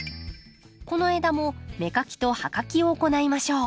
この枝も芽かきと葉かきを行いましょう。